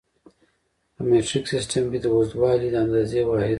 په مټریک سیسټم کې د اوږدوالي د اندازې واحد